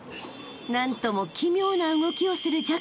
［何とも奇妙な動きをするジャック君］